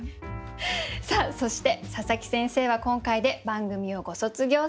さあそして佐佐木先生は今回で番組をご卒業されます。